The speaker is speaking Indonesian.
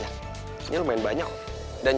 akulights itu udah selesai